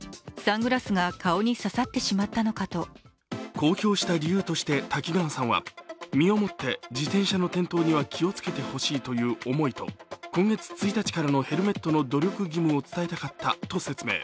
公表した理由として滝川さんは、身をもって自転車の転倒には気をつけてほしいという思いと今月１日からのヘルメットの努力義務を伝えたかったと説明。